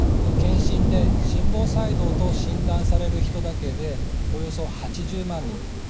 検診で心房細動と診断される人だけでおよそ８０万人。